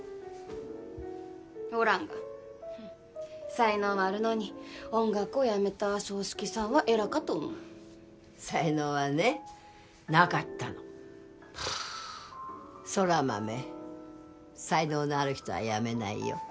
おらんが才能はあるのに音楽をやめた爽介さんは偉かと思う才能はねなかったの空豆才能のある人はやめないよ